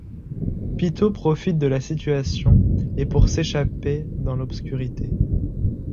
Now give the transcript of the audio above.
Pitot profite de la situation et pour s’échapper dans l'obscurité.